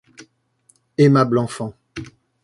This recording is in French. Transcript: Aimable enfant !